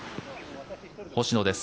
星野です。